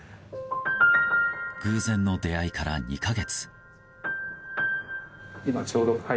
偶然の出会いから２か月。